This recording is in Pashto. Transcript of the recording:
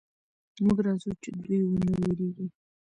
موږ راځو چې دوئ ونه وېرېږي.